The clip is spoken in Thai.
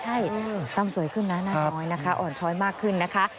ใช่ตำสวยขึ้นนะหน้าน้อยนะคะอ่อนช้อยมากขึ้นนะคะ